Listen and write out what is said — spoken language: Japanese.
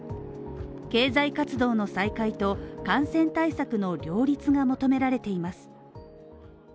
経済活動の再開と感染対策の両立が求められています。